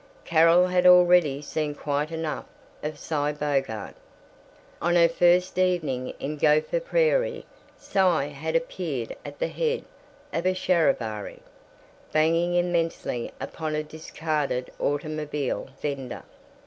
Carol had already seen quite enough of Cy Bogart. On her first evening in Gopher Prairie Cy had appeared at the head of a "charivari," banging immensely upon a discarded automobile fender.